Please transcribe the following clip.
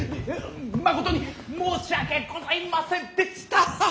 誠に申し訳ございませんでしたーッ！